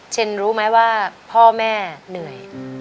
รู้ไหมว่าพ่อแม่เหนื่อย